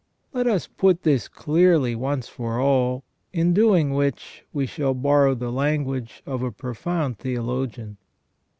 Let us put this clearly once for all, in doing which we shall borrow the language of a profound theologian.